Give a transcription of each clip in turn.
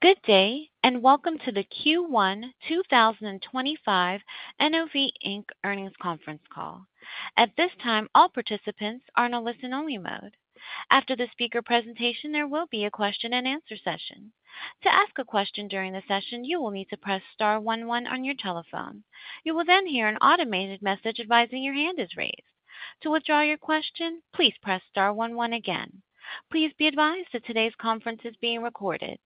Good day, and welcome to the Q1 2025 NOV earnings conference call. At this time, all participants are in a listen-only mode. After the speaker presentation, there will be a question-and-answer session. To ask a question during the session, you will need to press star one, one on your telephone. You will then hear an automated message advising your hand is raised. To withdraw your question, please press star one, one again. Please be advised that today's conference is being recorded.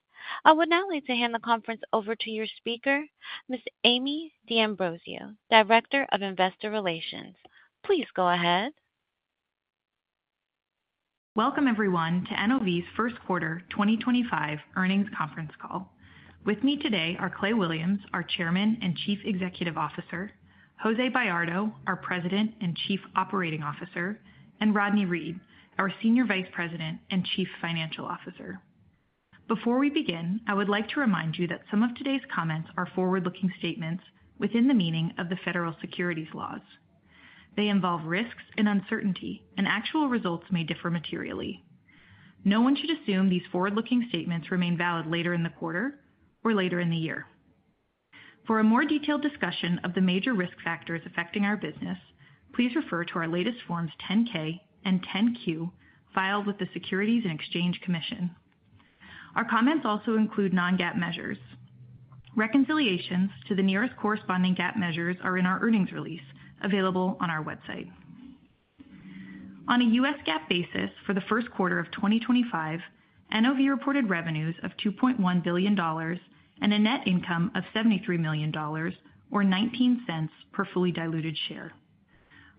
I would now like to hand the conference over to your speaker, Ms. Amie D'Ambrosio, Director of Investor Relations. Please go ahead. Welcome, everyone, to NOV's first quarter 2025 earnings conference call. With me today are Clay Williams, our Chairman and Chief Executive Officer; Jose Bayardo, our President and Chief Operating Officer; and Rodney Reed, our Senior Vice President and Chief Financial Officer. Before we begin, I would like to remind you that some of today's comments are forward-looking statements within the meaning of the federal securities laws. They involve risks and uncertainty, and actual results may differ materially. No one should assume these forward-looking statements remain valid later in the quarter or later in the year. For a more detailed discussion of the major risk factors affecting our business, please refer to our latest Forms 10-K and 10-Q filed with the Securities and Exchange Commission. Our comments also include non-GAAP measures. Reconciliations to the nearest corresponding GAAP measures are in our earnings release, available on our website. On a U.S. GAAP basis, for the first quarter of 2025, NOV reported revenues of $2.1 billion and a net income of $73 million, or $0.19 per fully diluted share.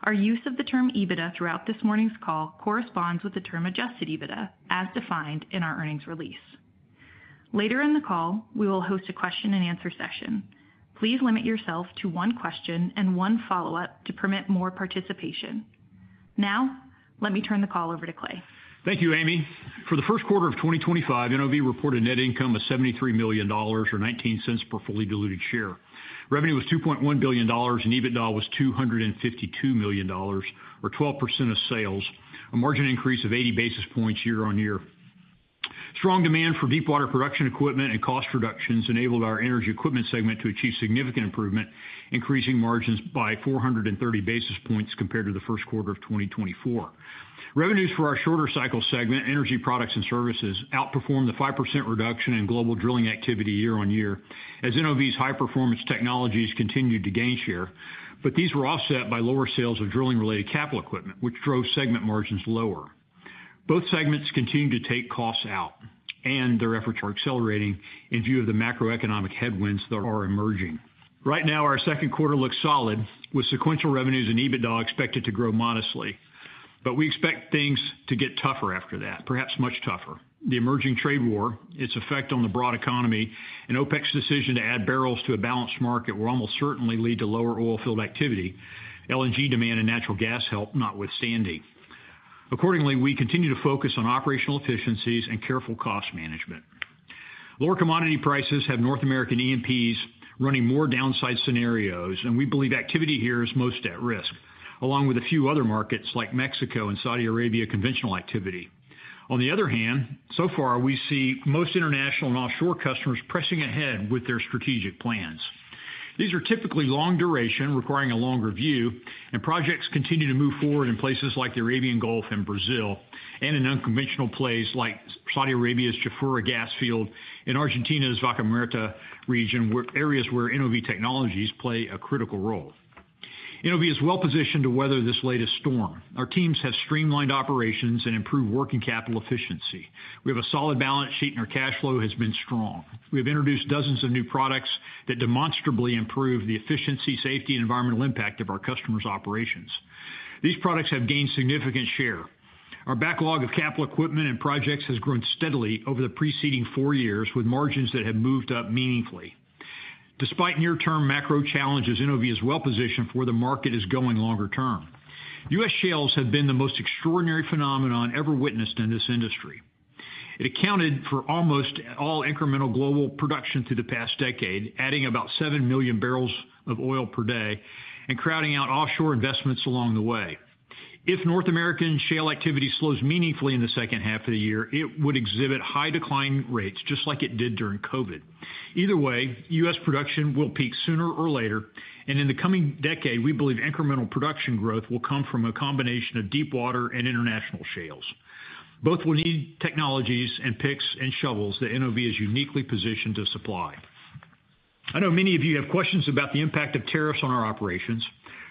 Our use of the term EBITDA throughout this morning's call corresponds with the term adjusted EBITDA, as defined in our earnings release. Later in the call, we will host a question-and-answer session. Please limit yourself to one question and one follow-up to permit more participation. Now, let me turn the call over to Clay. Thank you, Amie. For the first quarter of 2025, NOV reported net income of $73 million, or $0.19 per fully diluted share. Revenue was $2.1 billion, and EBITDA was $252 million, or 12% of sales, a margin increase of 80 basis points year-on-year. Strong demand for deep-water production equipment and cost reductions enabled our energy equipment segment to achieve significant improvement, increasing margins by 430 basis points compared to the first quarter of 2024. Revenues for our shorter-cycle segment, Energy Products and Services, outperformed the 5% reduction in global drilling activity year-on-year, as NOV's high-performance technologies continued to gain share, but these were offset by lower sales of drilling-related capital equipment, which drove segment margins lower. Both segments continue to take costs out, and their efforts are accelerating in view of the macroeconomic headwinds that are emerging. Right now, our second quarter looks solid, with sequential revenues and EBITDA expected to grow modestly, but we expect things to get tougher after that, perhaps much tougher. The emerging trade war, its effect on the broad economy, and OPEC+'s decision to add barrels to a balanced market will almost certainly lead to lower oil field activity. LNG demand and natural gas help notwithstanding. Accordingly, we continue to focus on operational efficiencies and careful cost management. Lower commodity prices have North American E&Ps running more downside scenarios, and we believe activity here is most at risk, along with a few other markets like Mexico and Saudi Arabia conventional activity. On the other hand, so far, we see most international and offshore customers pressing ahead with their strategic plans. These are typically long duration, requiring a longer view, and projects continue to move forward in places like the Arabian Gulf and Brazil, and in unconventional plays like Saudi Arabia's Jafurah Gas Field and Argentina's Vaca Muerta region, areas where NOV technologies play a critical role. NOV is well positioned to weather this latest storm. Our teams have streamlined operations and improved working capital efficiency. We have a solid balance sheet, and our cash flow has been strong. We have introduced dozens of new products that demonstrably improve the efficiency, safety, and environmental impact of our customers' operations. These products have gained significant share. Our backlog of capital equipment and projects has grown steadily over the preceding four years, with margins that have moved up meaningfully. Despite near-term macro challenges, NOV is well positioned for where the market is going longer term. U.S. Shales have been the most extraordinary phenomenon ever witnessed in this industry. It accounted for almost all incremental global production through the past decade, adding about 7 million barrels of oil per day and crowding out offshore investments along the way. If North American shale activity slows meaningfully in the second half of the year, it would exhibit high decline rates, just like it did during COVID. Either way, U.S. production will peak sooner or later, and in the coming decade, we believe incremental production growth will come from a combination of deep water and international shales. Both will need technologies and picks and shovels that NOV is uniquely positioned to supply. I know many of you have questions about the impact of tariffs on our operations.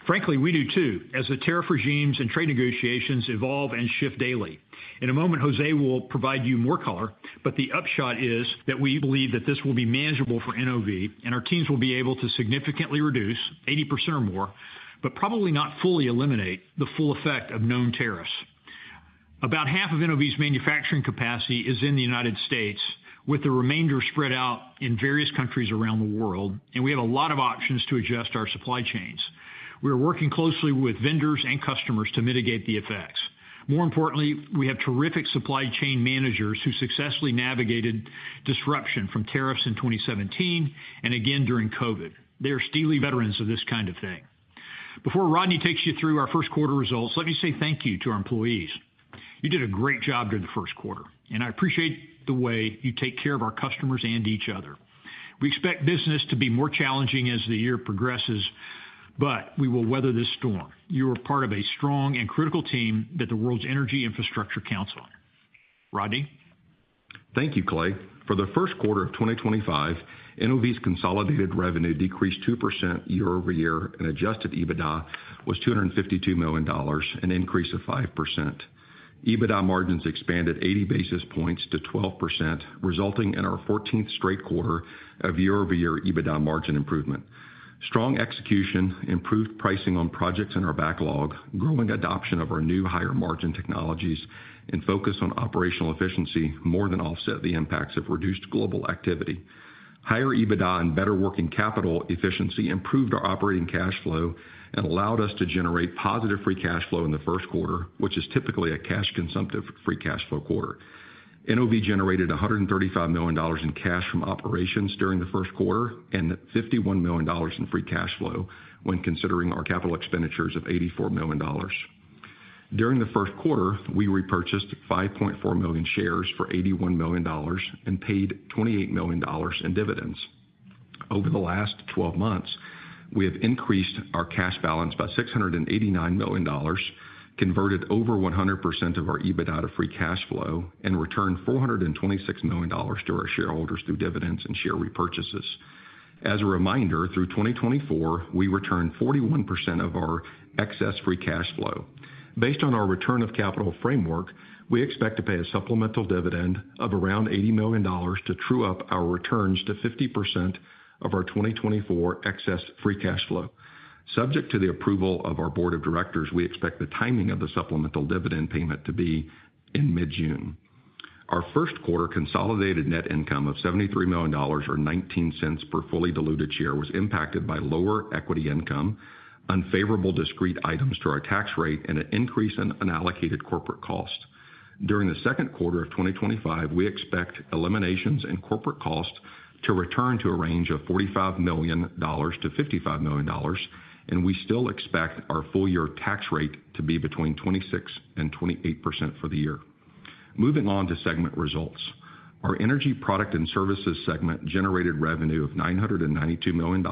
Frankly, we do too, as the tariff regimes and trade negotiations evolve and shift daily. In a moment, Jose will provide you more color, but the upshot is that we believe that this will be manageable for NOV, and our teams will be able to significantly reduce, 80% or more, but probably not fully eliminate the full effect of known tariffs. About half of NOV's manufacturing capacity is in the United States, with the remainder spread out in various countries around the world, and we have a lot of options to adjust our supply chains. We are working closely with vendors and customers to mitigate the effects. More importantly, we have terrific supply chain managers who successfully navigated disruption from tariffs in 2017 and again during COVID. They are steely veterans of this kind of thing. Before Rodney takes you through our first quarter results, let me say thank you to our employees. You did a great job during the first quarter, and I appreciate the way you take care of our customers and each other. We expect business to be more challenging as the year progresses, but we will weather this storm. You are part of a strong and critical team that the world's energy infrastructure counts on. Rodney? Thank you, Clay. For the first quarter of 2025, NOV's consolidated revenue decreased 2% year-over-year, and adjusted EBITDA was $252 million, an increase of 5%. EBITDA margins expanded 80 basis points to 12%, resulting in our 14th straight quarter of year-over-year EBITDA margin improvement. Strong execution improved pricing on projects in our backlog, growing adoption of our new higher-margin technologies, and focus on operational efficiency more than offset the impacts of reduced global activity. Higher EBITDA and better working capital efficiency improved our operating cash flow and allowed us to generate positive free cash flow in the first quarter, which is typically a cash-consumptive free cash flow quarter. NOV generated $135 million in cash from operations during the first quarter and $51 million in free cash flow when considering our capital expenditures of $84 million. During the first quarter, we repurchased 5.4 million shares for $81 million and paid $28 million in dividends. Over the last 12 months, we have increased our cash balance by $689 million, converted over 100% of our EBITDA to free cash flow, and returned $426 million to our shareholders through dividends and share repurchases. As a reminder, through 2024, we returned 41% of our excess free cash flow. Based on our return of capital framework, we expect to pay a supplemental dividend of around $80 million to true up our returns to 50% of our 2024 excess free cash flow. Subject to the approval of our board of directors, we expect the timing of the supplemental dividend payment to be in mid-June. Our first quarter consolidated net income of $73 million, or $0.19 per fully diluted share, was impacted by lower equity income, unfavorable discrete items to our tax rate, and an increase in unallocated corporate cost. During the second quarter of 2025, we expect eliminations in corporate cost to return to a range of $45 million-$55 million, and we still expect our full-year tax rate to be between 26%-28% for the year. Moving on to segment results, our energy product and services segment generated revenue of $992 million, a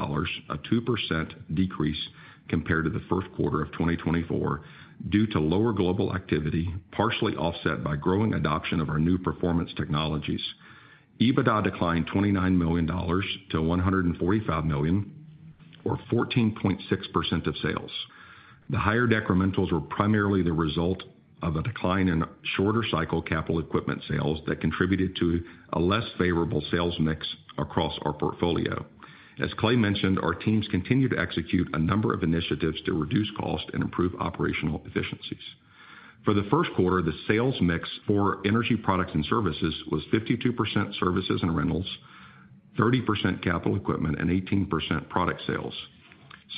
2% decrease compared to the first quarter of 2024, due to lower global activity, partially offset by growing adoption of our new performance technologies. EBITDA declined $29 million to $145 million, or 14.6% of sales. The higher decrementals were primarily the result of a decline in shorter-cycle capital equipment sales that contributed to a less favorable sales mix across our portfolio. As Clay mentioned, our teams continue to execute a number of initiatives to reduce cost and improve operational efficiencies. For the first quarter, the sales mix for energy products and services was 52% services and rentals, 30% capital equipment, and 18% product sales.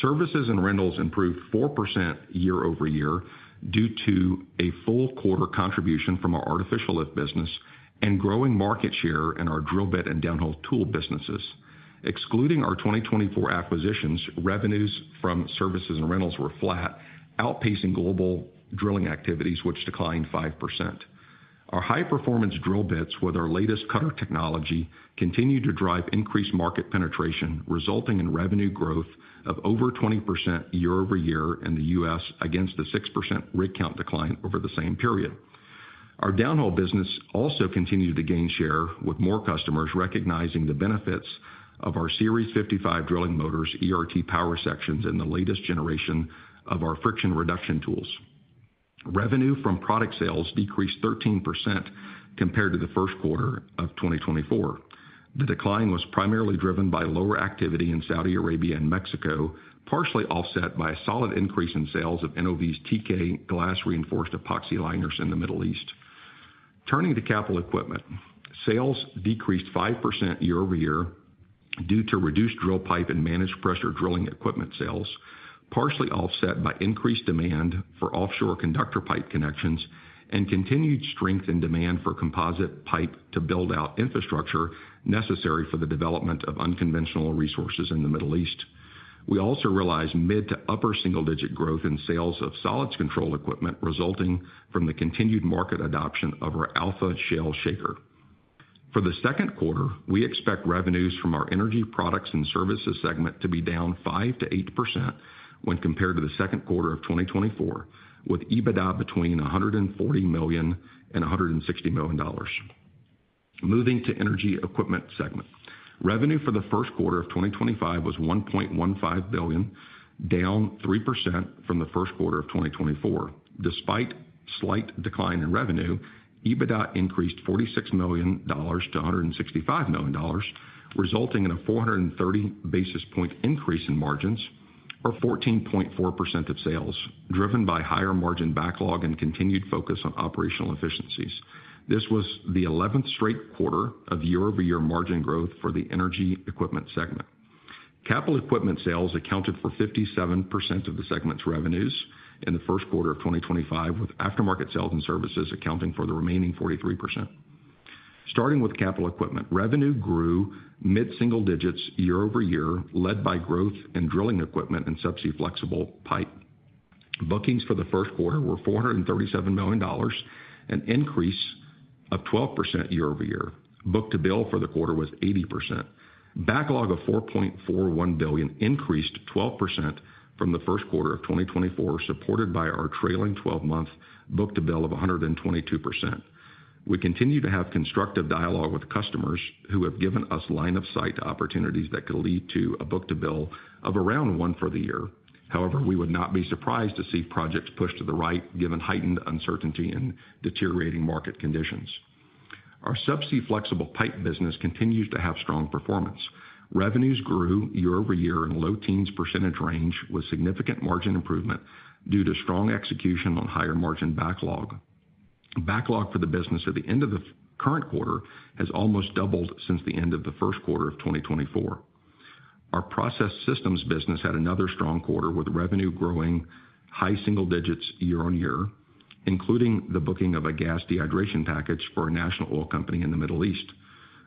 Services and rentals improved 4% year-over-year due to a full quarter contribution from our artificial lift business and growing market share in our drill bit and downhole tool businesses. Excluding our 2024 acquisitions, revenues from services and rentals were flat, outpacing global drilling activities, which declined 5%. Our high-performance drill bits, with our latest cutter technology, continued to drive increased market penetration, resulting in revenue growth of over 20% year-over-year in the U.S. against the 6% rig count decline over the same period. Our downhole business also continued to gain share, with more customers recognizing the benefits of our Series 55 drilling motors, ERT power sections, and the latest generation of our friction reduction tools. Revenue from product sales decreased 13% compared to the first quarter of 2024. The decline was primarily driven by lower activity in Saudi Arabia and Mexico, partially offset by a solid increase in sales of NOV's TK glass-reinforced epoxy liners in the Middle East. Turning to capital equipment, sales decreased 5% year-over-year due to reduced drill pipe and managed pressure drilling equipment sales, partially offset by increased demand for offshore conductor pipe connections and continued strength in demand for composite pipe to build out infrastructure necessary for the development of unconventional resources in the Middle East. We also realized mid to upper single-digit growth in sales of solids control equipment, resulting from the continued market adoption of our Alpha Shale Shaker. For the second quarter, we expect revenues from our energy products and services segment to be down 5%-8% when compared to the second quarter of 2024, with EBITDA between $140 million and $160 million. Moving to energy equipment segment, revenue for the first quarter of 2025 was $1.15 billion, down 3% from the first quarter of 2024. Despite slight decline in revenue, EBITDA increased $46 million to $165 million, resulting in a 430 basis point increase in margins, or 14.4% of sales, driven by higher margin backlog and continued focus on operational efficiencies. This was the 11th straight quarter of year-over-year margin growth for the energy equipment segment. Capital equipment sales accounted for 57% of the segment's revenues in the first quarter of 2025, with aftermarket sales and services accounting for the remaining 43%. Starting with capital equipment, revenue grew mid-single digits year-over-year, led by growth in drilling equipment and subsea flexible pipe. Bookings for the first quarter were $437 million, an increase of 12% year-over-year. Book-to-bill for the quarter was 80%. Backlog of $4.41 billion increased 12% from the first quarter of 2024, supported by our trailing 12-month book-to-bill of 122%. We continue to have constructive dialogue with customers who have given us line-of-sight opportunities that could lead to a book-to-bill of around one for the year. However, we would not be surprised to see projects pushed to the right, given heightened uncertainty and deteriorating market conditions. Our subsea flexible pipe business continues to have strong performance. Revenues grew year-over-year in low teens % range with significant margin improvement due to strong execution on higher margin backlog. Backlog for the business at the end of the current quarter has almost doubled since the end of the first quarter of 2024. Our process systems business had another strong quarter with revenue growing high single digits year-on-year, including the booking of a gas dehydration package for a national oil company in the Middle East.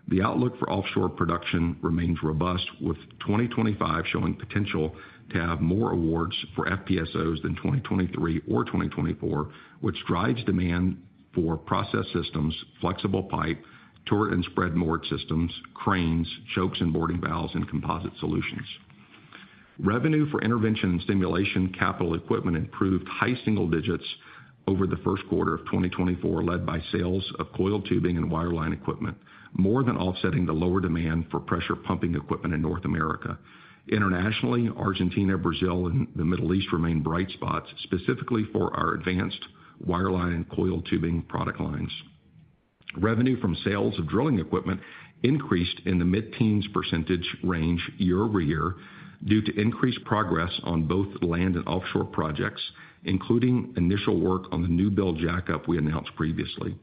The outlook for offshore production remains robust, with 2025 showing potential to have more awards for FPSOs than 2023 or 2024, which drives demand for process systems, flexible pipe, turret and spread mooring systems, cranes, chokes, and boarding valves in composite solutions. Revenue for intervention and stimulation capital equipment improved high single digits over the first quarter of 2024, led by sales of coil tubing and wireline equipment, more than offsetting the lower demand for pressure pumping equipment in North America. Internationally, Argentina, Brazil, and the Middle East remain bright spots, specifically for our advanced wireline and coil tubing product lines. Revenue from sales of drilling equipment increased in the mid-teens % range year-over-year due to increased progress on both land and offshore projects, including initial work on the new build jackup we announced previously.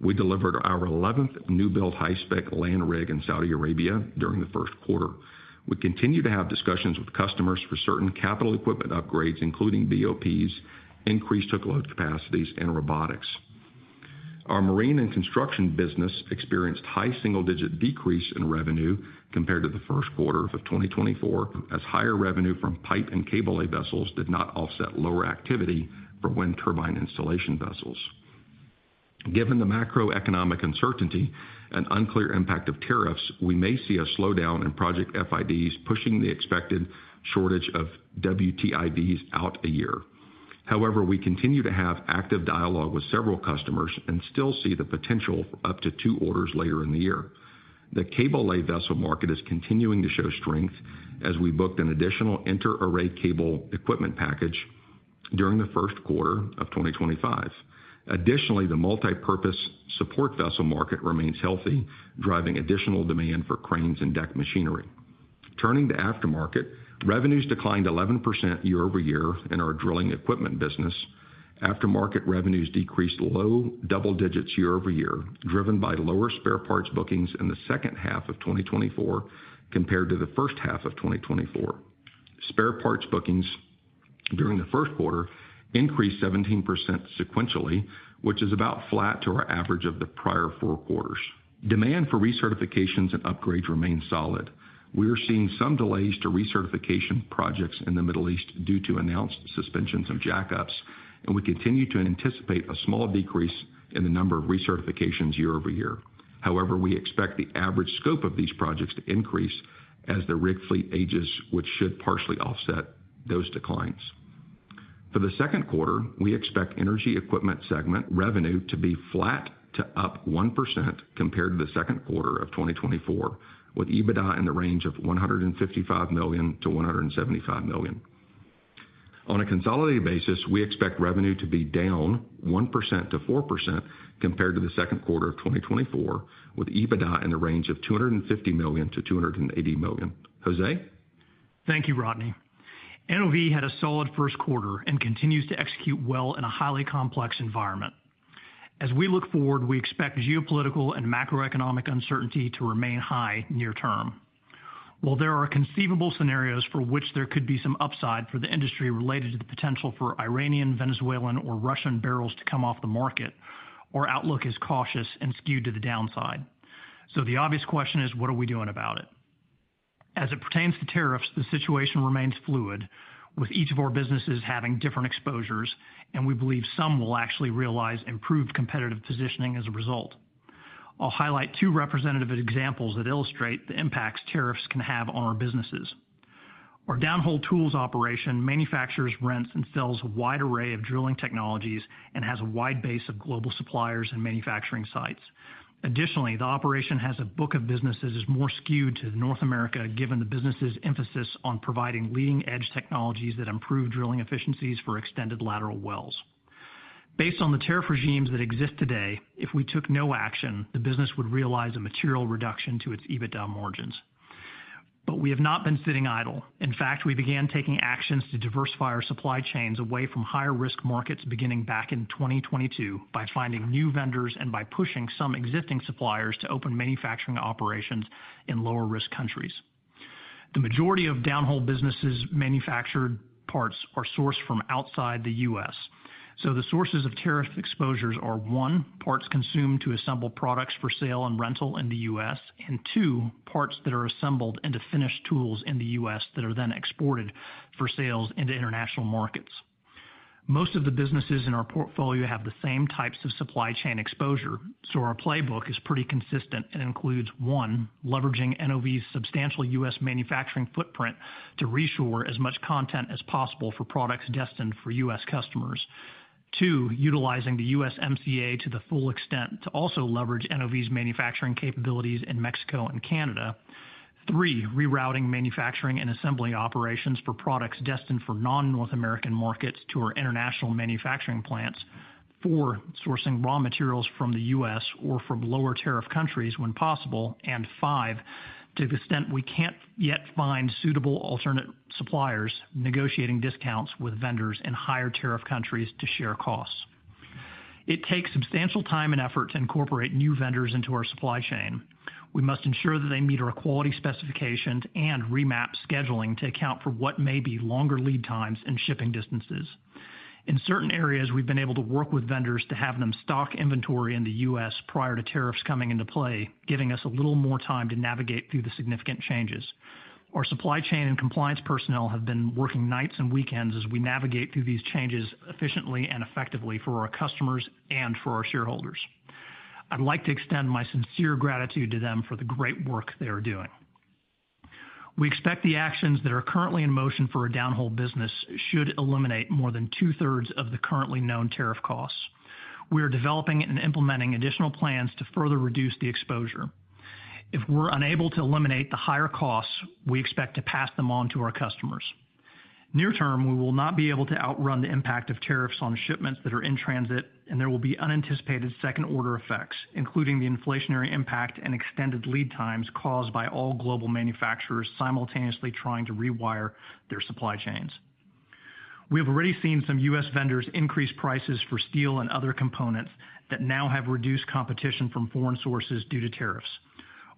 We delivered our 11th new build high-spec land rig in Saudi Arabia during the first quarter. We continue to have discussions with customers for certain capital equipment upgrades, including BOPs, increased hook load capacities, and robotics. Our marine and construction business experienced a high single-digit decrease in revenue compared to the first quarter of 2024, as higher revenue from pipe and cable vessels did not offset lower activity for wind turbine installation vessels. Given the macroeconomic uncertainty and unclear impact of tariffs, we may see a slowdown in project FIDs, pushing the expected shortage of WTIVs out a year. However, we continue to have active dialogue with several customers and still see the potential for up to two orders later in the year. The cable vessel market is continuing to show strength as we booked an additional inter-array cable equipment package during the first quarter of 2025. Additionally, the multi-purpose support vessel market remains healthy, driving additional demand for cranes and deck machinery. Turning to aftermarket, revenues declined 11% year-over-year in our drilling equipment business. Aftermarket revenues decreased low double digits year-over-year, driven by lower spare parts bookings in the second half of 2024 compared to the first half of 2024. Spare parts bookings during the first quarter increased 17% sequentially, which is about flat to our average of the prior four quarters. Demand for recertifications and upgrades remains solid. We are seeing some delays to recertification projects in the Middle East due to announced suspensions of jackups, and we continue to anticipate a small decrease in the number of recertifications year-over-year. However, we expect the average scope of these projects to increase as the rig fleet ages, which should partially offset those declines. For the second quarter, we expect energy equipment segment revenue to be flat to up 1% compared to the second quarter of 2024, with EBITDA in the range of $155 million-$175 million. On a consolidated basis, we expect revenue to be down 1%-4% compared to the second quarter of 2024, with EBITDA in the range of $250 million-$280 million. Jose? Thank you, Rodney. NOV had a solid first quarter and continues to execute well in a highly complex environment. As we look forward, we expect geopolitical and macroeconomic uncertainty to remain high near term. While there are conceivable scenarios for which there could be some upside for the industry related to the potential for Iranian, Venezuelan, or Russian barrels to come off the market, our outlook is cautious and skewed to the downside. The obvious question is, what are we doing about it? As it pertains to tariffs, the situation remains fluid, with each of our businesses having different exposures, and we believe some will actually realize improved competitive positioning as a result. I'll highlight two representative examples that illustrate the impacts tariffs can have on our businesses. Our downhole tools operation manufactures, rents, and sells a wide array of drilling technologies and has a wide base of global suppliers and manufacturing sites. Additionally, the operation has a book of businesses that is more skewed to North America, given the business's emphasis on providing leading-edge technologies that improve drilling efficiencies for extended lateral wells. Based on the tariff regimes that exist today, if we took no action, the business would realize a material reduction to its EBITDA margins. We have not been sitting idle. In fact, we began taking actions to diversify our supply chains away from higher-risk markets beginning back in 2022 by finding new vendors and by pushing some existing suppliers to open manufacturing operations in lower-risk countries. The majority of downhole businesses' manufactured parts are sourced from outside the U.S. The sources of tariff exposures are, one, parts consumed to assemble products for sale and rental in the U.S., and two, parts that are assembled into finished tools in the U.S. that are then exported for sales into international markets. Most of the businesses in our portfolio have the same types of supply chain exposure, so our playbook is pretty consistent and includes, one, leveraging NOV's substantial U.S. manufacturing footprint to reshore as much content as possible for products destined for U.S. customers, two, utilizing the U.S. MCA to the full extent to also leverage NOV's manufacturing capabilities in Mexico and Canada, three, rerouting manufacturing and assembly operations for products destined for non-North American markets to our international manufacturing plants, four, sourcing raw materials from the U.S. or from lower tariff countries when possible, and five, to the extent we can't yet find suitable alternate suppliers, negotiating discounts with vendors in higher tariff countries to share costs. It takes substantial time and effort to incorporate new vendors into our supply chain. We must ensure that they meet our quality specifications and remap scheduling to account for what may be longer lead times and shipping distances. In certain areas, we've been able to work with vendors to have them stock inventory in the U.S. prior to tariffs coming into play, giving us a little more time to navigate through the significant changes. Our supply chain and compliance personnel have been working nights and weekends as we navigate through these changes efficiently and effectively for our customers and for our shareholders. I'd like to extend my sincere gratitude to them for the great work they are doing. We expect the actions that are currently in motion for our downhole business should eliminate more than two-thirds of the currently known tariff costs. We are developing and implementing additional plans to further reduce the exposure. If we're unable to eliminate the higher costs, we expect to pass them on to our customers. Near term, we will not be able to outrun the impact of tariffs on shipments that are in transit, and there will be unanticipated second-order effects, including the inflationary impact and extended lead times caused by all global manufacturers simultaneously trying to rewire their supply chains. We have already seen some U.S. Vendors increase prices for steel and other components that now have reduced competition from foreign sources due to tariffs.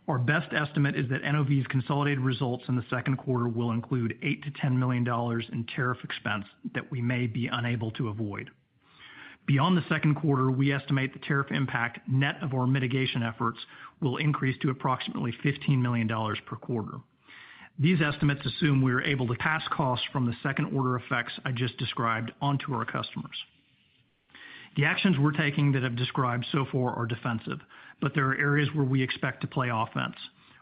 Our best estimate is that NOV's consolidated results in the second quarter will include $8-$10 million in tariff expense that we may be unable to avoid. Beyond the second quarter, we estimate the tariff impact net of our mitigation efforts will increase to approximately $15 million per quarter. These estimates assume we are able to pass costs from the second-order effects I just described onto our customers. The actions we are taking that I have described so far are defensive, but there are areas where we expect to play offense,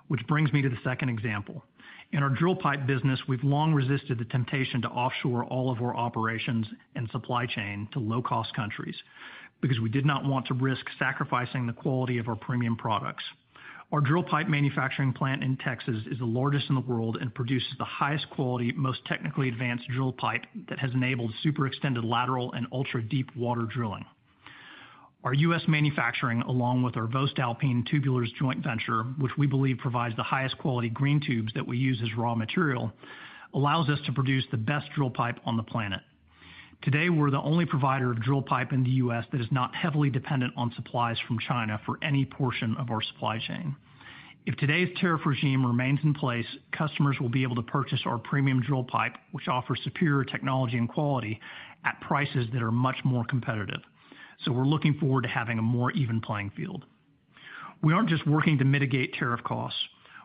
which brings me to the second example. In our drill pipe business, we've long resisted the temptation to offshore all of our operations and supply chain to low-cost countries because we did not want to risk sacrificing the quality of our premium products. Our drill pipe manufacturing plant in Texas is the largest in the world and produces the highest quality, most technically advanced drill pipe that has enabled super-extended lateral and ultra-deep water drilling. Our U.S. manufacturing, along with our voestalpine Tubulars joint venture, which we believe provides the highest quality green tubes that we use as raw material, allows us to produce the best drill pipe on the planet. Today, we're the only provider of drill pipe in the U.S. that is not heavily dependent on supplies from China for any portion of our supply chain. If today's tariff regime remains in place, customers will be able to purchase our premium drill pipe, which offers superior technology and quality at prices that are much more competitive. We are looking forward to having a more even playing field. We are not just working to mitigate tariff costs.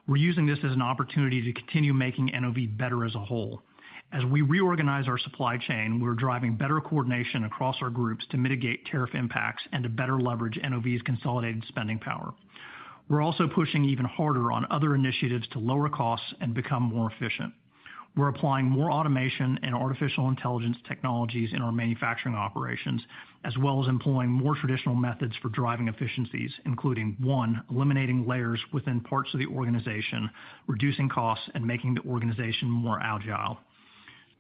We are using this as an opportunity to continue making NOV better as a whole. As we reorganize our supply chain, we are driving better coordination across our groups to mitigate tariff impacts and to better leverage NOV's consolidated spending power. We are also pushing even harder on other initiatives to lower costs and become more efficient. We're applying more automation and artificial intelligence technologies in our manufacturing operations, as well as employing more traditional methods for driving efficiencies, including, one, eliminating layers within parts of the organization, reducing costs, and making the organization more agile;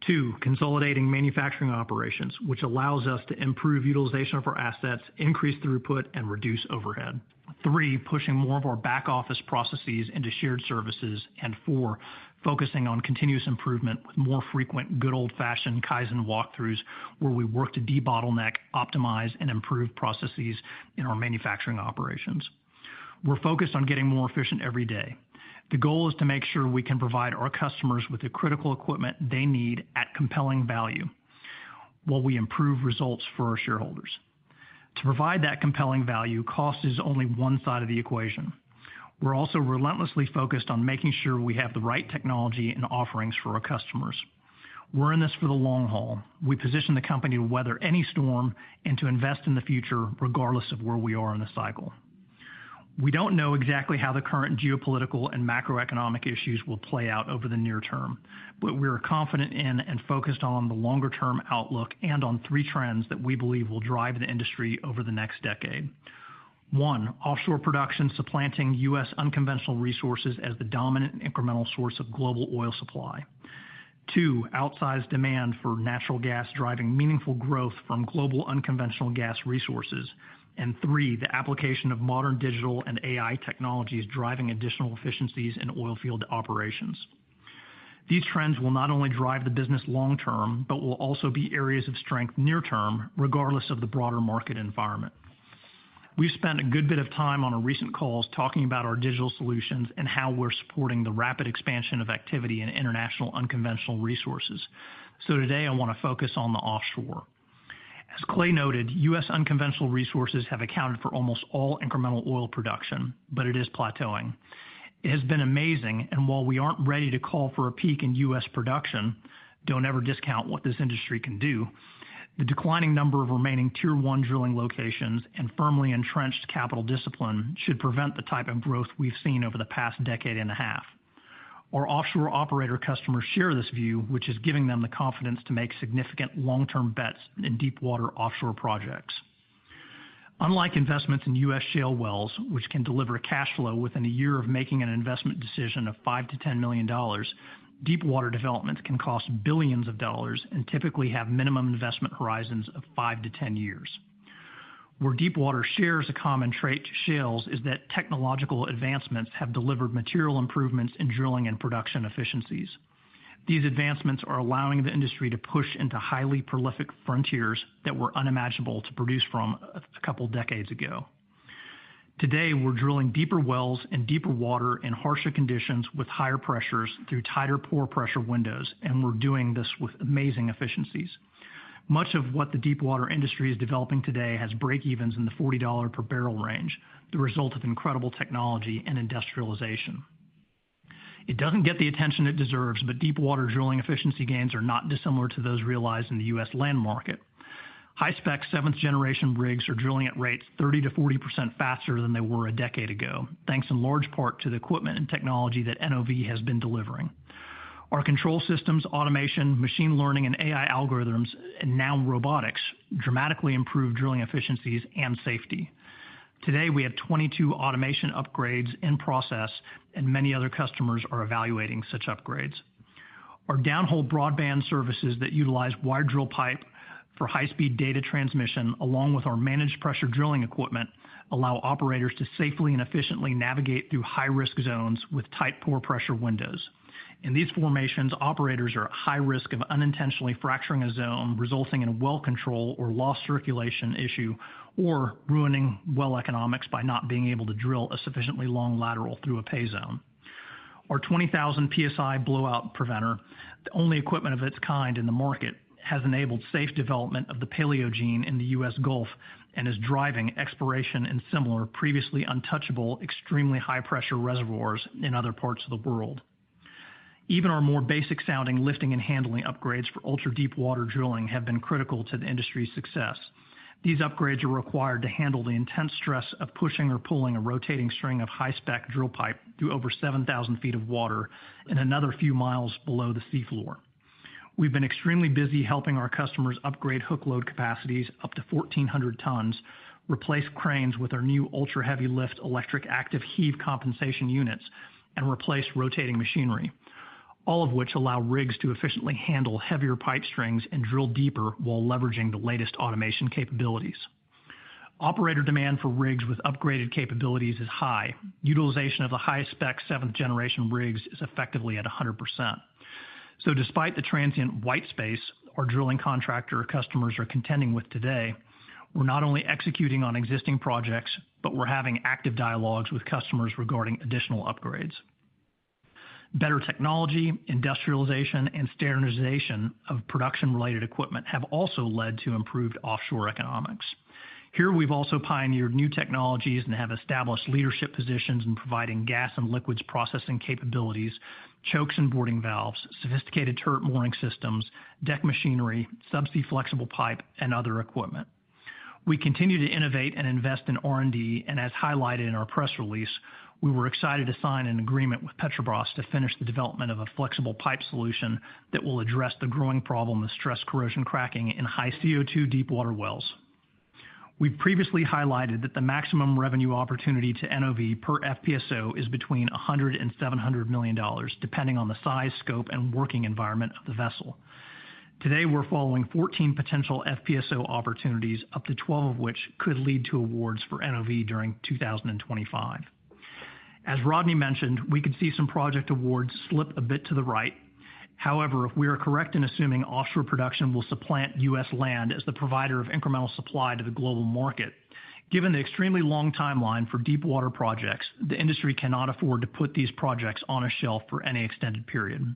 two, consolidating manufacturing operations, which allows us to improve utilization of our assets, increase throughput, and reduce overhead; three, pushing more of our back-office processes into shared services; and four, focusing on continuous improvement with more frequent good old-fashioned Kaizen walkthroughs, where we work to debottleneck, optimize, and improve processes in our manufacturing operations. We're focused on getting more efficient every day. The goal is to make sure we can provide our customers with the critical equipment they need at compelling value while we improve results for our shareholders. To provide that compelling value, cost is only one side of the equation. We're also relentlessly focused on making sure we have the right technology and offerings for our customers. We're in this for the long haul. We position the company to weather any storm and to invest in the future, regardless of where we are in the cycle. We don't know exactly how the current geopolitical and macroeconomic issues will play out over the near term, but we are confident in and focused on the longer-term outlook and on three trends that we believe will drive the industry over the next decade. One, offshore production supplanting U.S. unconventional resources as the dominant incremental source of global oil supply; two, outsized demand for natural gas driving meaningful growth from global unconventional gas resources; and three, the application of modern digital and AI technologies driving additional efficiencies in oil field operations. These trends will not only drive the business long-term, but will also be areas of strength near term, regardless of the broader market environment. We've spent a good bit of time on our recent calls talking about our digital solutions and how we're supporting the rapid expansion of activity in international unconventional resources. Today, I want to focus on the offshore. As Clay noted, U.S. unconventional resources have accounted for almost all incremental oil production, but it is plateauing. It has been amazing, and while we aren't ready to call for a peak in U.S. production—do not ever discount what this industry can do—the declining number of remaining tier-one drilling locations and firmly entrenched capital discipline should prevent the type of growth we've seen over the past decade and a half. Our offshore operator customers share this view, which is giving them the confidence to make significant long-term bets in deep-water offshore projects. Unlike investments in U.S. shale wells, which can deliver cash flow within a year of making an investment decision of $5 to $10 million, deep-water developments can cost billions of dollars and typically have minimum investment horizons of 5 to 10 years. Where deep-water shares a common trait to shales is that technological advancements have delivered material improvements in drilling and production efficiencies. These advancements are allowing the industry to push into highly prolific frontiers that were unimaginable to produce from a couple of decades ago. Today, we're drilling deeper wells and deeper water in harsher conditions with higher pressures through tighter pore pressure windows, and we're doing this with amazing efficiencies. Much of what the deep-water industry is developing today has break-evens in the $40 per barrel range, the result of incredible technology and industrialization. It doesn't get the attention it deserves, but deep-water drilling efficiency gains are not dissimilar to those realized in the U.S. land market. High-spec seventh-generation rigs are drilling at rates 30-40% faster than they were a decade ago, thanks in large part to the equipment and technology that NOV has been delivering. Our control systems, automation, machine learning, and AI algorithms, and now robotics dramatically improve drilling efficiencies and safety. Today, we have 22 automation upgrades in process, and many other customers are evaluating such upgrades. Our downhole broadband services that utilize wire drill pipe for high-speed data transmission, along with our managed pressure drilling equipment, allow operators to safely and efficiently navigate through high-risk zones with tight pore pressure windows. In these formations, operators are at high risk of unintentionally fracturing a zone, resulting in a well control or lost circulation issue, or ruining well economics by not being able to drill a sufficiently long lateral through a pay zone. Our 20,000 PSI blowout preventer, the only equipment of its kind in the market, has enabled safe development of the Paleogene in the U.S. Gulf and is driving exploration in similar previously untouchable, extremely high-pressure reservoirs in other parts of the world. Even our more basic-sounding lifting and handling upgrades for ultra-deep water drilling have been critical to the industry's success. These upgrades are required to handle the intense stress of pushing or pulling a rotating string of high-spec drill pipe through over 7,000 feet of water and another few miles below the seafloor. We've been extremely busy helping our customers upgrade hook load capacities up to 1,400 tons, replace cranes with our new ultra-heavy lift electric active heave compensation units, and replace rotating machinery, all of which allow rigs to efficiently handle heavier pipe strings and drill deeper while leveraging the latest automation capabilities. Operator demand for rigs with upgraded capabilities is high. Utilization of the high-spec seventh-generation rigs is effectively at 100%. Despite the transient white space our drilling contractor customers are contending with today, we're not only executing on existing projects, but we're having active dialogues with customers regarding additional upgrades. Better technology, industrialization, and standardization of production-related equipment have also led to improved offshore economics. Here we've also pioneered new technologies and have established leadership positions in providing gas and liquids processing capabilities, chokes and boarding valves, sophisticated turret mooring systems, deck machinery, subsea flexible pipe, and other equipment. We continue to innovate and invest in R&D, and as highlighted in our press release, we were excited to sign an agreement with Petrobras to finish the development of a flexible pipe solution that will address the growing problem of stress corrosion cracking in high CO2 deep-water wells. We've previously highlighted that the maximum revenue opportunity to NOV per FPSO is between $100 million and $700 million, depending on the size, scope, and working environment of the vessel. Today, we're following 14 potential FPSO opportunities, up to 12 of which could lead to awards for NOV during 2025. As Rodney mentioned, we could see some project awards slip a bit to the right. However, if we are correct in assuming offshore production will supplant U.S. land as the provider of incremental supply to the global market, given the extremely long timeline for deep-water projects, the industry cannot afford to put these projects on a shelf for any extended period.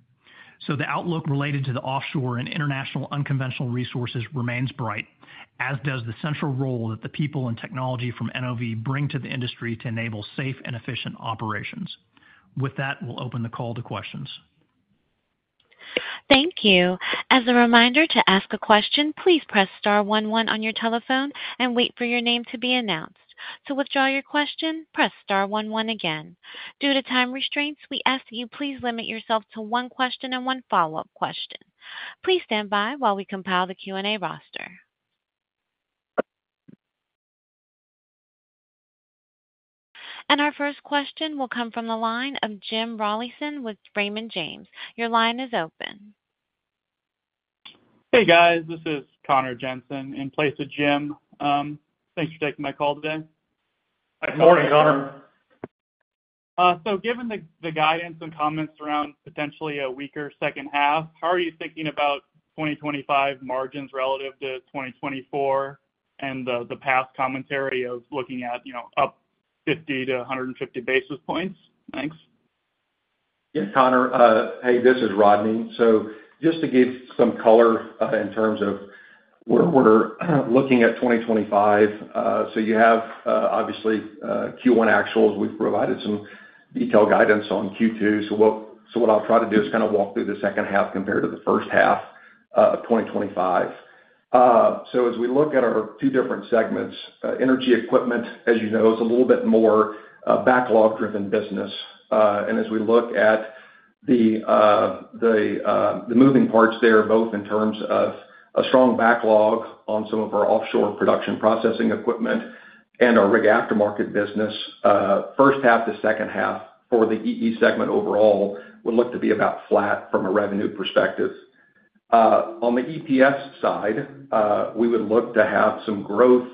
The outlook related to the offshore and international unconventional resources remains bright, as does the central role that the people and technology from NOV bring to the industry to enable safe and efficient operations. With that, we'll open the call to questions. Thank you. As a reminder to ask a question, please press star 11 on your telephone and wait for your name to be announced. To withdraw your question, press star 11 again. Due to time restraints, we ask that you please limit yourself to one question and one follow-up question. Please stand by while we compile the Q&A roster. Our first question will come from the line of Jim Ralison with Raymond James. Your line is open. Hey, guys. This is Connor Jensen in place of Jim. Thanks for taking my call today. Hi. Good morning, Connor. Given the guidance and comments around potentially a weaker second half, how are you thinking about 2025 margins relative to 2024 and the past commentary of looking at up 50 to 150 basis points? Thanks. Yes, Connor. Hey, this is Rodney. Just to give some color in terms of where we're looking at 2025, you have obviously Q1 actuals. We've provided some detailed guidance on Q2. What I'll try to do is kind of walk through the second half compared to the first half of 2025. As we look at our two different segments, energy equipment, as you know, is a little bit more backlog-driven business. As we look at the moving parts there, both in terms of a strong backlog on some of our offshore production processing equipment and our rig aftermarket business, first half to second half for the EE segment overall would look to be about flat from a revenue perspective. On the EPS side, we would look to have some growth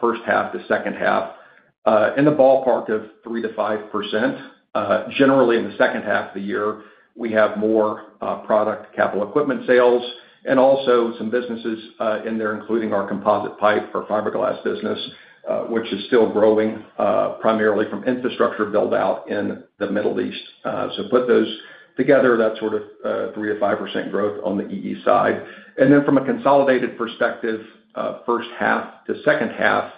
first half to second half in the ballpark of 3-5%. Generally, in the second half of the year, we have more product capital equipment sales and also some businesses in there, including our composite pipe or fiberglass business, which is still growing primarily from infrastructure build-out in the Middle East. Put those together, that is sort of 3-5% growth on the EE side. From a consolidated perspective, first half to second half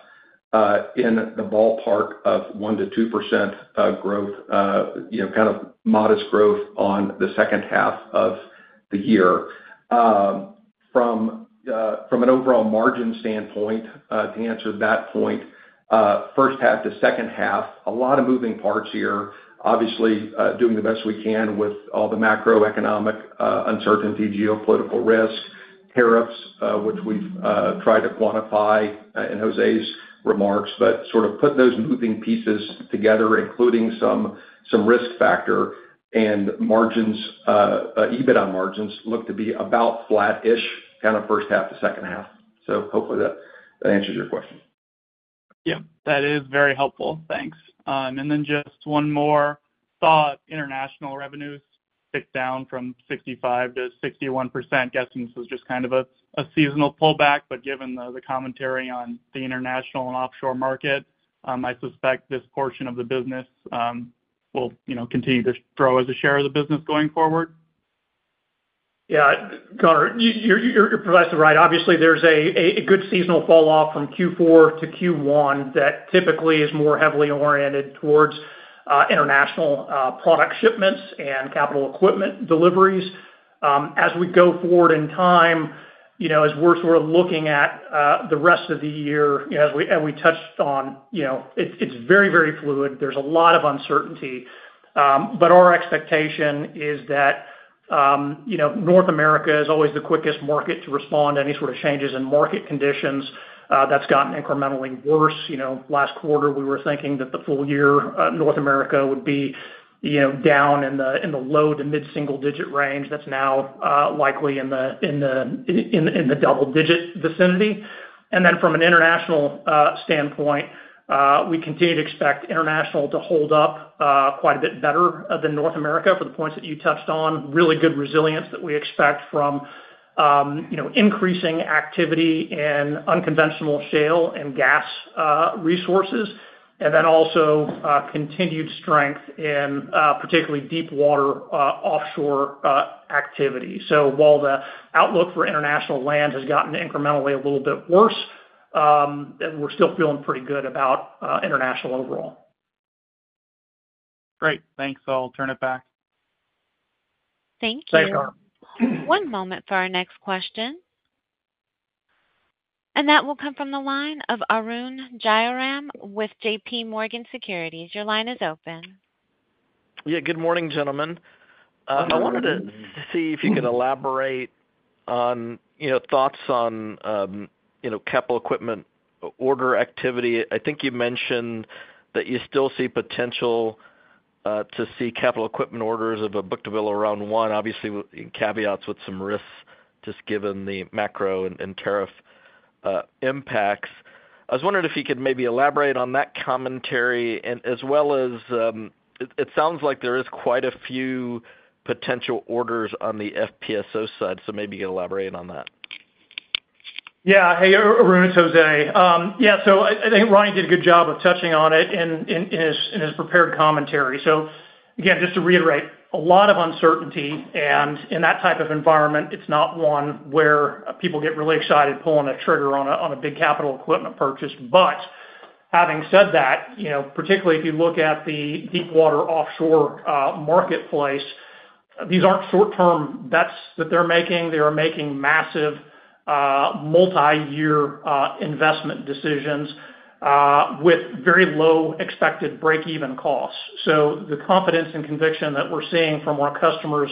in the ballpark of 1-2% growth, kind of modest growth on the second half of the year. From an overall margin standpoint, to answer that point, first half to second half, a lot of moving parts here. Obviously, doing the best we can with all the macroeconomic uncertainty, geopolitical risk, tariffs, which we have tried to quantify in José's remarks, but sort of put those moving pieces together, including some risk factor and margins, EBITDA margins look to be about flat-ish kind of first half to second half. Hopefully that answers your question. Yeah. That is very helpful. Thanks. Just one more thought. International revenues tick down from 65% to 61%. Guessing this was just kind of a seasonal pullback, but given the commentary on the international and offshore market, I suspect this portion of the business will continue to grow as a share of the business going forward. Yeah. Connor, you're precisely right. Obviously, there's a good seasonal falloff from Q4 to Q1 that typically is more heavily oriented towards international product shipments and capital equipment deliveries. As we go forward in time, as we're sort of looking at the rest of the year, as we touched on, it's very, very fluid. There's a lot of uncertainty. Our expectation is that North America is always the quickest market to respond to any sort of changes in market conditions. That's gotten incrementally worse. Last quarter, we were thinking that the full year North America would be down in the low to mid-single-digit range. That's now likely in the double-digit vicinity. From an international standpoint, we continue to expect international to hold up quite a bit better than North America for the points that you touched on. Really good resilience that we expect from increasing activity in unconventional shale and gas resources, and then also continued strength in particularly deep-water offshore activity. While the outlook for international land has gotten incrementally a little bit worse, we're still feeling pretty good about international overall. Great. Thanks. I'll turn it back. Thank you. Thanks, Connor. One moment for our next question. That will come from the line of Arun Jayaram with J.P. Morgan Securities. Your line is open. Yeah. Good morning, gentlemen. I wanted to see if you could elaborate on thoughts on capital equipment order activity. I think you mentioned that you still see potential to see capital equipment orders of a book-to-bill around one, obviously with caveats with some risks just given the macro and tariff impacts. I was wondering if you could maybe elaborate on that commentary as well as it sounds like there is quite a few potential orders on the FPSO side. Maybe you could elaborate on that. Yeah. Hey, Arun, Jose. Yeah. I think Rodney did a good job of touching on it in his prepared commentary. Again, just to reiterate, a lot of uncertainty. In that type of environment, it's not one where people get really excited pulling a trigger on a big capital equipment purchase. Having said that, particularly if you look at the deep-water offshore marketplace, these aren't short-term bets that they're making. They are making massive multi-year investment decisions with very low expected break-even costs. The confidence and conviction that we're seeing from our customers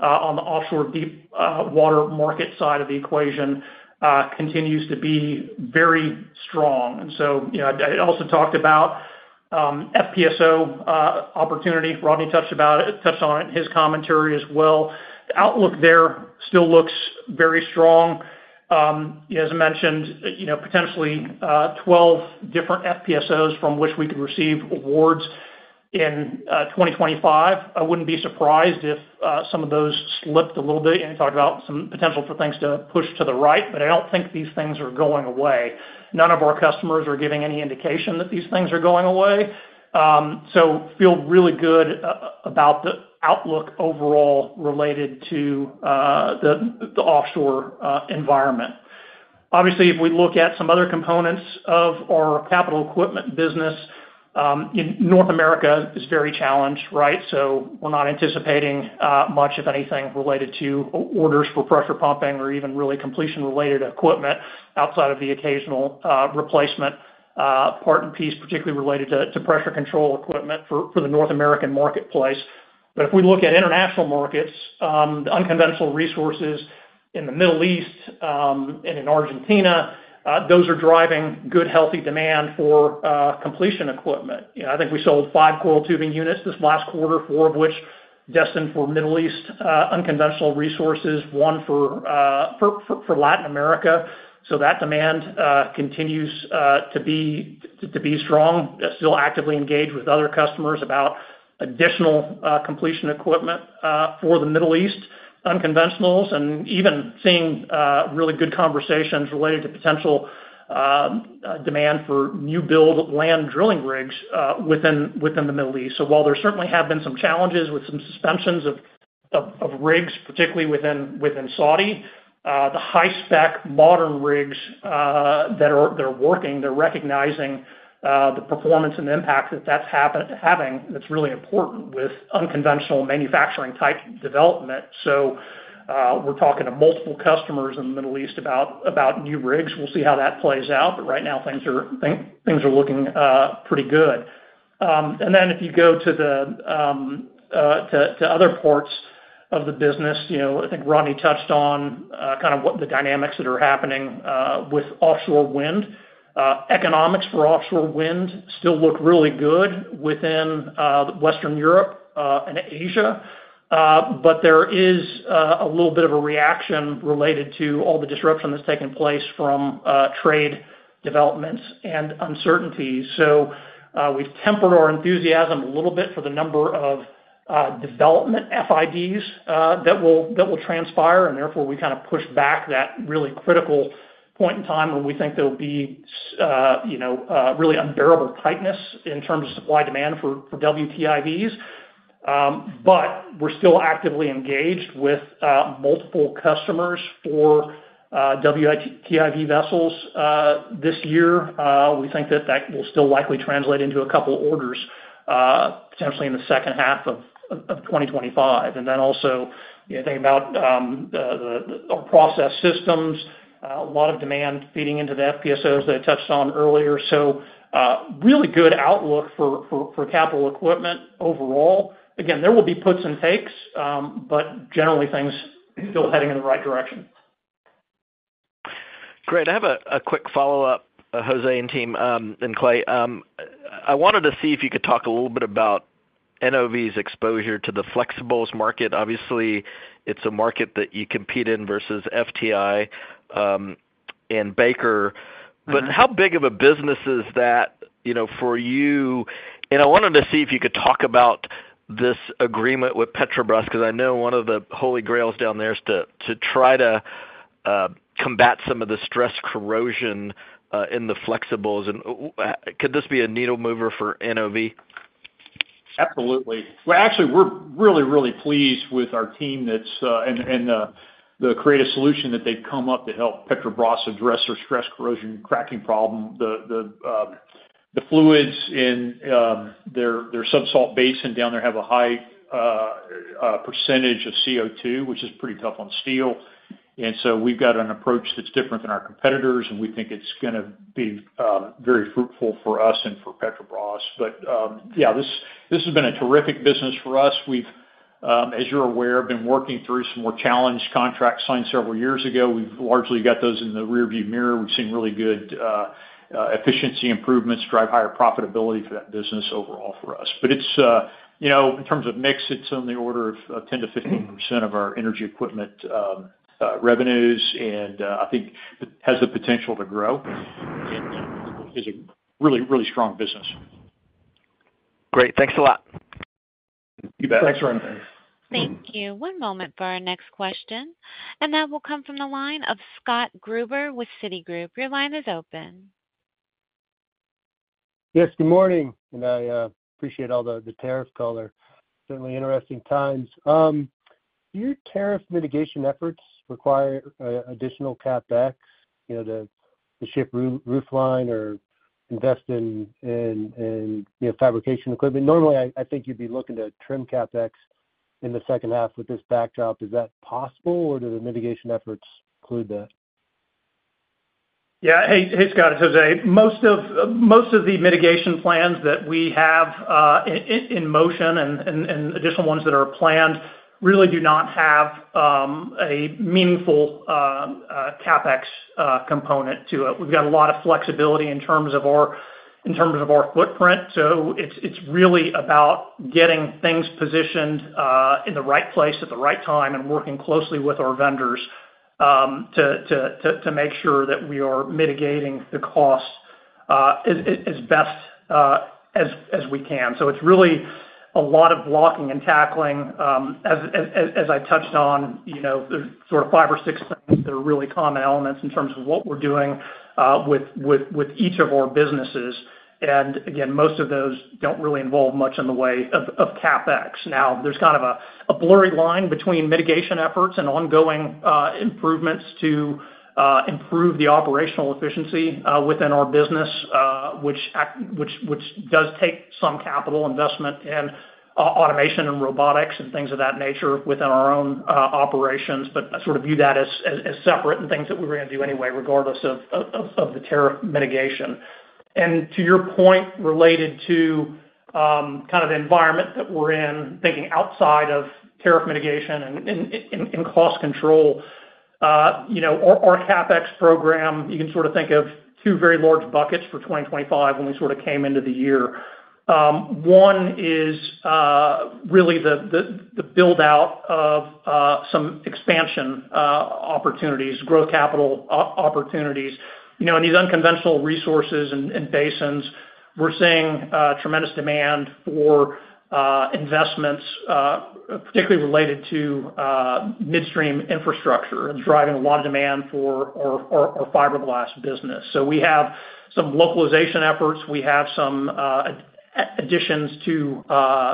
on the offshore deep-water market side of the equation continues to be very strong. I also talked about FPSO opportunity. Rodney touched on it in his commentary as well. The outlook there still looks very strong. As mentioned, potentially 12 different FPSOs from which we could receive awards in 2025. I would not be surprised if some of those slipped a little bit. You talked about some potential for things to push to the right, but I do not think these things are going away. None of our customers are giving any indication that these things are going away. I feel really good about the outlook overall related to the offshore environment. Obviously, if we look at some other components of our capital equipment business, North America is very challenged, right? We are not anticipating much, if anything, related to orders for pressure pumping or even really completion-related equipment outside of the occasional replacement part and piece, particularly related to pressure control equipment for the North American marketplace. If we look at international markets, the unconventional resources in the Middle East and in Argentina, those are driving good, healthy demand for completion equipment. I think we sold five coil tubing units this last quarter, four of which destined for Middle East unconventional resources, one for Latin America. That demand continues to be strong. Still actively engaged with other customers about additional completion equipment for the Middle East unconventionals and even seeing really good conversations related to potential demand for new-build land drilling rigs within the Middle East. While there certainly have been some challenges with some suspensions of rigs, particularly within Saudi, the high-spec modern rigs that are working, they're recognizing the performance and the impact that that's having. That's really important with unconventional manufacturing type development. We're talking to multiple customers in the Middle East about new rigs. We'll see how that plays out. Right now, things are looking pretty good. If you go to other parts of the business, I think Rodney touched on kind of the dynamics that are happening with offshore wind. Economics for offshore wind still look really good within Western Europe and Asia, but there is a little bit of a reaction related to all the disruption that's taken place from trade developments and uncertainties. We've tempered our enthusiasm a little bit for the number of development FIDs that will transpire. Therefore, we kind of push back that really critical point in time when we think there will be really unbearable tightness in terms of supply demand for WTIVs. We are still actively engaged with multiple customers for WTIV vessels this year. We think that will still likely translate into a couple of orders potentially in the second half of 2025. Also, think about our process systems, a lot of demand feeding into the FPSOs that I touched on earlier. Really good outlook for capital equipment overall. Again, there will be puts and takes, but generally, things are still heading in the right direction. Great. I have a quick follow-up, Jose and team and Clay. I wanted to see if you could talk a little bit about NOV's exposure to the flexibles market. Obviously, it is a market that you compete in versus FTI and Baker. How big of a business is that for you? I wanted to see if you could talk about this agreement with Petrobras because I know one of the holy grails down there is to try to combat some of the stress corrosion in the flexibles. Could this be a needle mover for NOV? Absolutely. Actually, we're really, really pleased with our team and the creative solution that they've come up to help Petrobras address their stress corrosion cracking problem. The fluids in their subsalt basin down there have a high percentage of CO2, which is pretty tough on steel. We've got an approach that's different than our competitors, and we think it's going to be very fruitful for us and for Petrobras. This has been a terrific business for us. We've, as you're aware, been working through some more challenged contracts signed several years ago. We've largely got those in the rearview mirror. We've seen really good efficiency improvements drive higher profitability for that business overall for us. In terms of mix, it's on the order of 10-15% of our energy equipment revenues, and I think it has the potential to grow and is a really, really strong business. Great. Thanks a lot. You bet. Thanks, Arun. Thank you. One moment for our next question. That will come from the line of Scott Gruber with Citigroup. Your line is open. Yes. Good morning. I appreciate all the tariff color. Certainly interesting times. Do your tariff mitigation efforts require additional CapEx to shift roof line or invest in fabrication equipment? Normally, I think you'd be looking to trim CapEx in the second half with this backdrop. Is that possible, or do the mitigation efforts include that? Yeah. Hey, Scott, it's Jose. Most of the mitigation plans that we have in motion and additional ones that are planned really do not have a meaningful CapEx component to it. We've got a lot of flexibility in terms of our footprint. It's really about getting things positioned in the right place at the right time and working closely with our vendors to make sure that we are mitigating the cost as best as we can. It's really a lot of blocking and tackling. As I touched on, there's sort of five or six things that are really common elements in terms of what we're doing with each of our businesses. Again, most of those do not really involve much in the way of CapEx. Now, there is kind of a blurry line between mitigation efforts and ongoing improvements to improve the operational efficiency within our business, which does take some capital investment and automation and robotics and things of that nature within our own operations. I sort of view that as separate and things that we were going to do anyway, regardless of the tariff mitigation. To your point related to kind of the environment that we are in, thinking outside of tariff mitigation and cost control, our CapEx program, you can sort of think of two very large buckets for 2025 when we sort of came into the year. One is really the build-out of some expansion opportunities, growth capital opportunities. In these unconventional resources and basins, we are seeing tremendous demand for investments, particularly related to midstream infrastructure. It's driving a lot of demand for our fiberglass business. We have some localization efforts. We have some additions to